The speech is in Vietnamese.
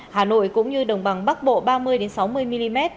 hà nội cũng như đồng bằng bắc bộ ba mươi sáu mươi mm